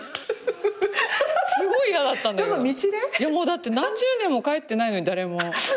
だって何十年も帰ってないのに誰も。